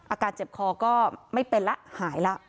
อาการเจ็บคอก็ไม่เป็นแล้วหายแล้ว